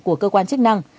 của cơ quan chức năng